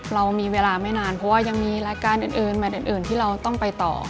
เรามีเวลาไม่นานเพราะว่ายังมีรายการอื่นแมทอื่นที่เราต้องไปต่อ